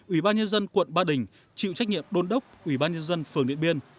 ủy ban nhân dân quận ba đình chịu trách nhiệm đôn đốc ủy ban nhân dân phường điện biên